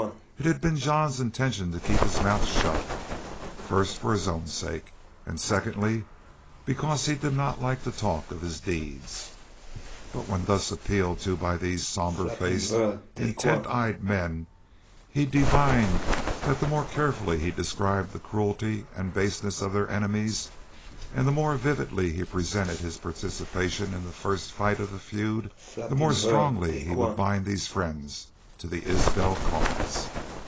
It had been Jean's intention to keep his mouth shut, first for his own sake and, secondly, because he did not like to talk of his deeds. But when thus appealed to by these somber faced, intent eyed men he divined that the more carefully he described the cruelty and baseness of their enemies, and the more vividly he presented his participation in the first fight of the feud the more strongly he would bind these friends to the Isbel cause.